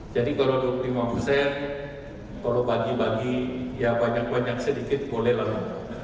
jadi kalau dua puluh lima persen kalau bagi bagi ya banyak banyak sedikit boleh lalu